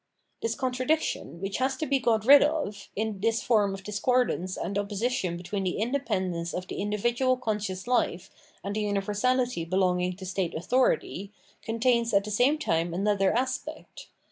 This contradiction, which has to be got rid of, in this form of discordance and opposition between the independence of the individual conscious life and the universahty belonging to state authority, contains at the same time another aspect.